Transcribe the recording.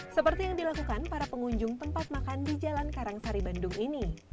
seperti yang dilakukan para pengunjung tempat makan di jalan karangsari bandung ini